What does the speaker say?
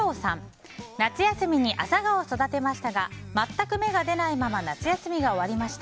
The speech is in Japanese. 夏休みにアサガオを育てましたが全く芽が出ないまま夏休みが終わりました。